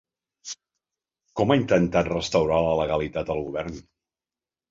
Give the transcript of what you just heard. Com ha intentat restaurar la legalitat, el govern?